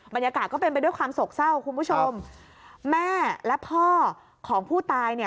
บรรยากาศก็เป็นไปด้วยความโศกเศร้าคุณผู้ชมแม่และพ่อของผู้ตายเนี่ย